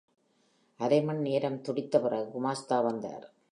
அரைமணிநேரம் துடித்த பிறகு குமாஸ்தா வந்தார்.